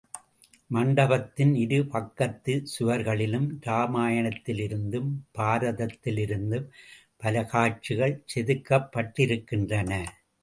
மண்டபத்தின் இரு பக்கத்துச் சுவர்களிலும் ராமாயணத்திலிருந்தும், பாரதத்திலிருந்தும் பல காட்சிகள் செதுக்கப்பட்டிருக்கின்றன.